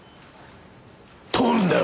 通るんだよ！